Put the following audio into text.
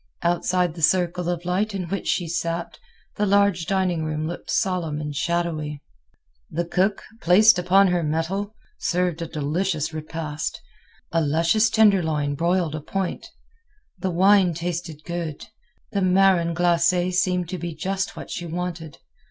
Outside the circle of light in which she sat, the large dining room looked solemn and shadowy. The cook, placed upon her mettle, served a delicious repast—a luscious tenderloin broiled à point. The wine tasted good; the marron glacé seemed to be just what she wanted.